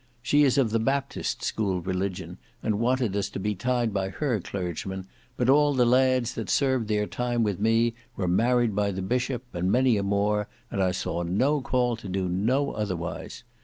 She is of the Baptist school religion, and wanted us to be tied by her clergyman, but all the lads that served their time with me were married by the Bishop, and many a more, and I saw no call to do no otherwise.